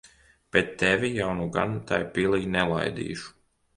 Bet tevi jau nu gan tai pilī nelaidīšu.